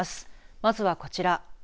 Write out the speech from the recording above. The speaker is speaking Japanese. まずはこちら。